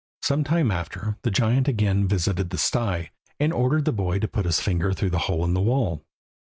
Some time after, the giant again visited the sty, and ordered the boy to put his finger through the hole in the wall.